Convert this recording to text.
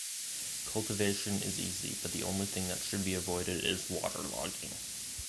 Cultivation is easy but the only thing that should be avoided is waterlogging.